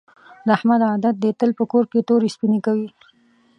د احمد عادت دې تل په کور کې تورې سپینې کوي.